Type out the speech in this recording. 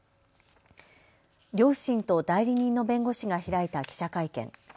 両親と代理人の弁護士が開いた記者会見。